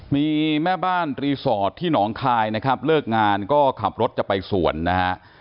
มีแม่บ้านรีสอร์ทที่หนองคายนะครับเลิกงานก็ขับรถจะไปสวนนะฮะ